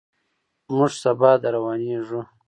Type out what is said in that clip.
موږ سبا درروانېږو.